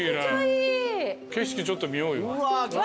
景色ちょっと見ようよ。